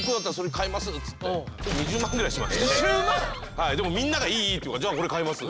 はいでもみんながいいいいって言うから「じゃあこれ買います」。